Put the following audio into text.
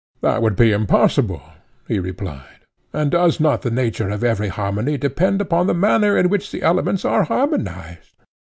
That would be impossible, he replied. And does not the nature of every harmony depend upon the manner in which the elements are harmonized?